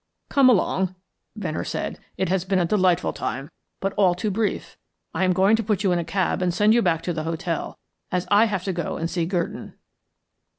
"Come along," Venner said. "It has been a delightful time, but all too brief. I am going to put you in a cab and send you back to the hotel, as I have to go and see Gurdon."